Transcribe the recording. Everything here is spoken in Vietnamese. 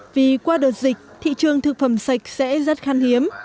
vì qua đợt dịch thị trường thực phẩm sạch sẽ rất khăn hiếm